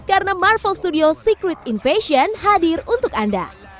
karena marvel studio secret invasion hadir untuk anda